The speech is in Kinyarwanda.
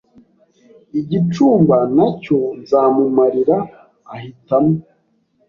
igicumba ntacyo nzamumarira ahitamo